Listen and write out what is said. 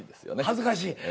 恥ずかしい。